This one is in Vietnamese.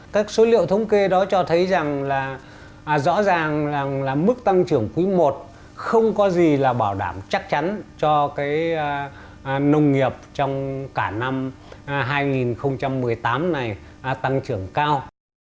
các số liệu thống kê đó cho thấy rằng là rõ ràng là mức tăng trưởng quý i không có gì là bảo đảm chắc chắn cho cái nông nghiệp trong cả năm hai nghìn một mươi tám này tăng trưởng cao